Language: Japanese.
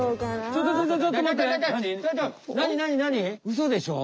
うそでしょ。